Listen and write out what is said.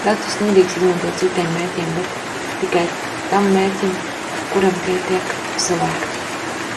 Datus nedrīkst izmantot citiem mērķiem, bet tikai tam mērķim, kuram tie tika savākti.